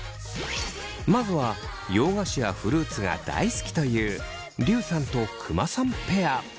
まずは洋菓子やフルーツが大好きというりゅうさんとくまさんペア。